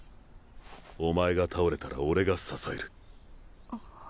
お前が倒れたら俺が支える。